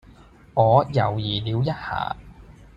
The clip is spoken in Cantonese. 我猶豫了一下